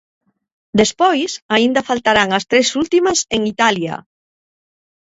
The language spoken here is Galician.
Despois, aínda faltarán as tres últimas en Italia.